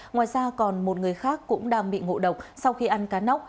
ngoài ra còn một người khác cũng đang bị ngộ độc sau khi ăn cá nóc